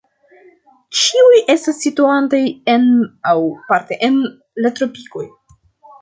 Ĉiuj estas situantaj en, aŭ parte en, la tropikoj.